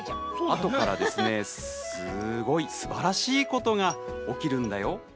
あとからすばらしいことが起きるんだよ。